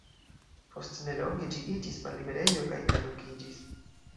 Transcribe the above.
Post nelonge ĝi iĝis malliberejo kaj kadukiĝis.